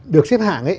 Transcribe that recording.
được xếp hạng